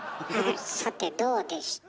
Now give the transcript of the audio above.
さてどうでした？